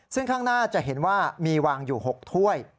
ซึ่งข้างหน้าจะเห็นว่ามีวางอยู่๖ถ้วย